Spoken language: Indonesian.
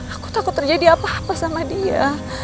aku takut terjadi apa apa sama dia